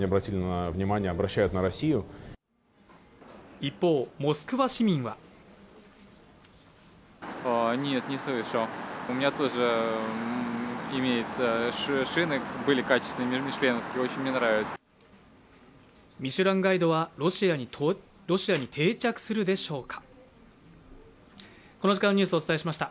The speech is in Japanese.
一方、モスクワ市民はミシュランガイドはロシアに定着するでしょうか？